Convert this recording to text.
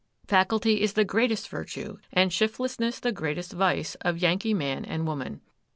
Faculty is the greatest virtue, and shiftlessness the greatest vice, of Yankee man and woman.